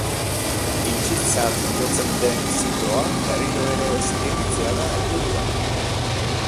Itxitzat jotzen den zikloa berriro ere ez irekitzea da helburua.